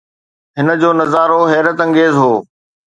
هن جو نظارو حيرت انگيز هو.